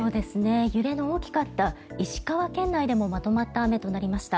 揺れの大きかった石川県内でもまとまった雨となりました。